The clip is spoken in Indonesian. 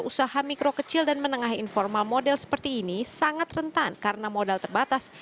usaha mikro kecil dan menengah informal model seperti ini sangat rentan karena modal terbatas